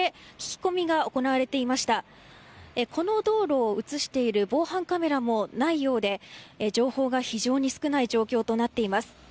この道路を映している防犯カメラもないようで情報が非常に少ない状況となっています。